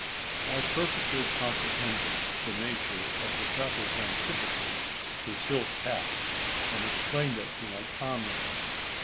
I perfectly comprehended the nature of the trapper's antipathy to silk hats, and explained it to my comrade.